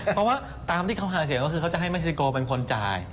เพราะว่าตามที่เขาหาเสียงก็คือเขาจะให้เม็กซิโกเป็นคนจ่าย